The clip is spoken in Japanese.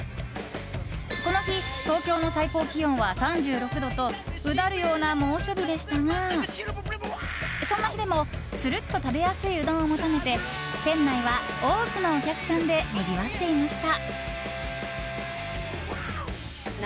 この日東京の最高気温は３６度とうだるような猛暑日でしたがそんな日でもつるっと食べやすいうどんを求めて店内は多くのお客さんでにぎわっていました。